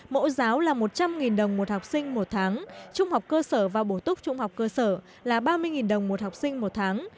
mẫu giáo là một trăm linh đồng một học sinh một tháng trung học cơ sở và bổ túc trung học cơ sở là ba mươi đồng một học sinh một tháng